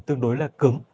tương đối là cứng